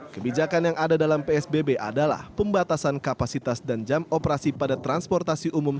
kebijakan yang ada dalam psbb adalah pembatasan kapasitas dan jam operasi pada transportasi umum